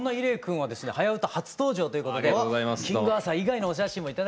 「はやウタ」初登場ということで「キングアーサー」以外のお写真も頂きました。